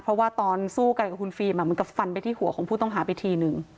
เพราะตอนสู้ไกลกับคุณฟิรมมันกระฟันไปที่หัวของผู้ต้องหาไปทีนึง